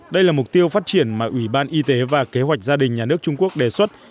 đây là mục tiêu phát triển mà ủy ban y tế và kế hoạch gia đình nhà nước trung quốc đề xuất